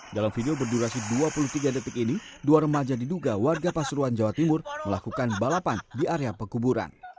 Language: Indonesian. dalam video berdurasi dua puluh tiga detik ini dua remaja diduga warga pasuruan jawa timur melakukan balapan di area pekuburan